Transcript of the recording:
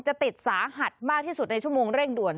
จะติดสาหัสมากที่สุดในชั่วโมงเร่งด่วน